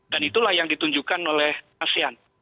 dan itulah yang ditunjukkan oleh asean